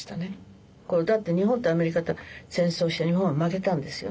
だって日本とアメリカと戦争して日本は負けたんですよね。